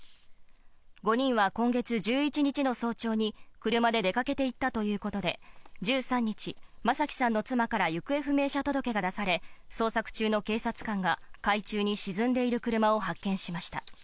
５人は今月１１日の早朝に車で出かけていったということで、１３日、正樹さんの妻から行方不明者届が出され、捜索中の警察官が、海中に沈んでいる車を発見しました。